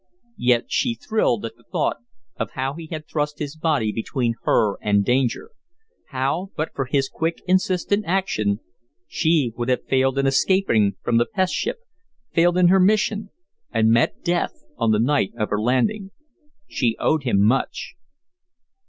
Yet she thrilled at the thought of how he had thrust his body between her and danger; how, but for his quick, insistent action, she would have failed in escaping from the pest ship, failed in her mission, and met death on the night of her landing. She owed him much.